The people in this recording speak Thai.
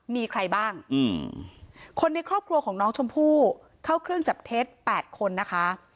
มีใครบ้างคนในครอบครัวของน้องชมพู่เข้าเครื่องจับเท็จ๘คนนะคะ